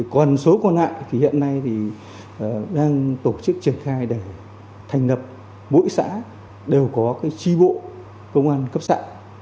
còn số còn lại thì hiện nay thì đang tổ chức triển khai để thành lập mỗi xã đều có cái tri bộ công an cấp xã